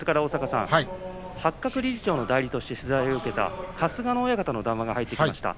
八角理事長の代理として取材を受けた春日野親方の談話が入ってきました。